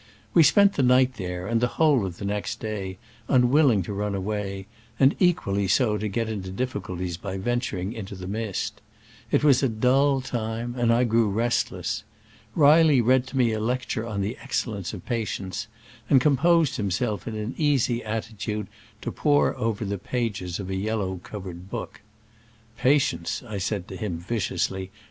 We spent the night there and the whole of the next day, un willing to run awa?y, and equally so to get into difficulties by venturing into the mist. It was a dull time, and I grew restiess. Reilly read to me a lecture on the excellence of patience, and composed himself in an easy attitude to pore over the pages of a yellow covered book. Patience," I said to him viciously